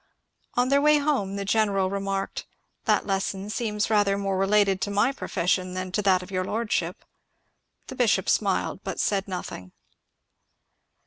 On their way home the general remarked, ^^ That lesson seems rather more related to my profession than to that of your lordship." The bishop smiled but said nothing.